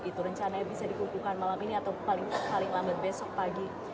itu rencananya bisa dikukuhkan malam ini atau paling lambat besok pagi